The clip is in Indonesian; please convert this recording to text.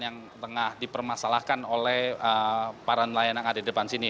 yang tengah dipermasalahkan oleh para nelayan yang ada di depan sini